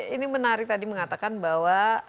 ini menarik tadi mengatakan bahwa